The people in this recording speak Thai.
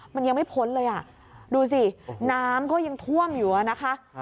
มันยังไม่พ้นเลยดูสิน้ำก็ยังท่วมอยู่